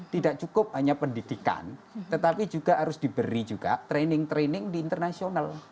tidak cukup hanya pendidikan tetapi juga harus diberi juga training training di internasional